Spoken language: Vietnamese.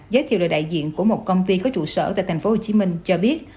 giới thiệu lời đại diện của một công ty có trụ sở tại thành phố hồ chí minh cho biết